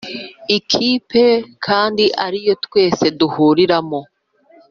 ikipe kandi ariyo twese duhuriramo